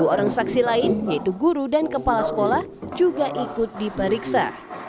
dua puluh orang saksi lain yaitu guru dan kepala sekolah juga ikut diperiksa